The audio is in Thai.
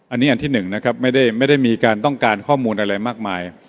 อันนี้อันที่หนึ่งนะครับไม่ได้มีการต้องการข้อมูลอะไรมากมาย